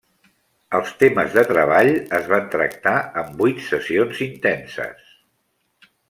Els temes de treball es van tractar en vuit sessions intenses.